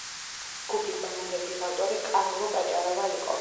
ჯგუფის მანიფესტის ავტორი კარლო კაჭარავა იყო.